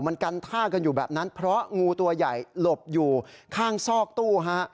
มันกันท่ากันอยู่แบบนั้นเพราะงูตัวใหญ่หลบอยู่ข้างซอกตู้ฮะ